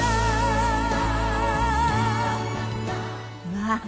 わあ。